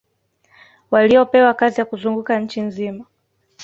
waliopewa kazi ya kuzunguka nchi nzima